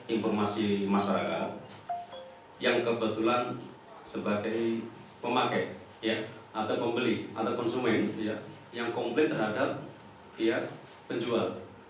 informasi masyarakat yang kebetulan sebagai pemakai atau pembeli atau konsumen yang komplain terhadap pihak penjual